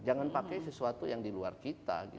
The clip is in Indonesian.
jangan pakai sesuatu yang di luar kita